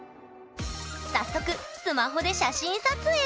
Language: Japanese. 早速スマホで写真撮影。